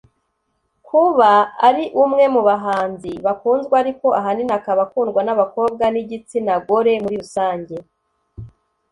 Kuba ari umwe mu bahanzi bakunzwe ariko ahanini akaba akundwa n’abakobwa n’igitsinagore muri rusange